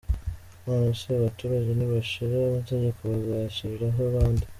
None se abaturage nibashira amategeko bazayashyiriraho bande?